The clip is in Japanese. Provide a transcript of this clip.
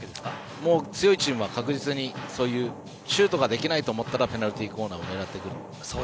もう強いチームは確実にシュートができないと思ったらペナルティーコーナーを狙ってくる。